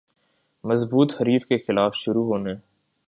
ضبوط حریف کے خلاف شروع ہونے